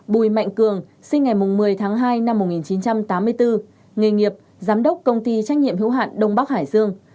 bùi mạnh cường sinh ngày một mươi tháng hai năm một nghìn chín trăm tám mươi bốn nghề nghiệp giám đốc công ty trách nhiệm hữu hạn đông bắc hải dương